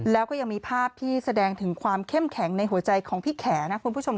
แล้วก็ยังมีภาพที่แสดงถึงความเข้มแข็งในหัวใจของพี่แขนะคุณผู้ชม